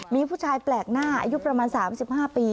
มีผู้ชายแปลกหน้าอายุประมาณ๓๕ปี